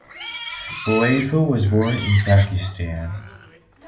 Boafo was born in Pakistan.